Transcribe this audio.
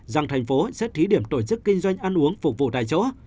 rằng thành phố sẽ thí điểm tổ chức kinh doanh ăn uống phục vụ tại chỗ